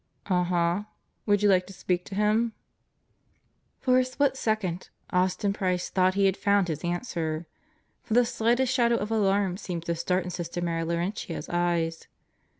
"Uh huh. Would you like to speak to him?" For a split second Austin Price thought he had found his answer, for the slightest shadow of alarm seemed to start in Sister Mary Laurentia's eyes.